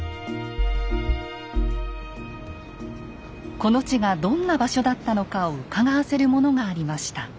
この地がどんな場所だったのかをうかがわせるものがありました。